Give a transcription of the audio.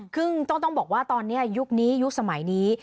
ซึ่งต้องบอกว่าตอนนี้ยุคนี้ยุคสมัยนี้